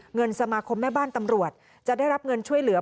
เงินสมาคมแม่บ้านตำรวจจะได้รับเงินช่วยเหลือ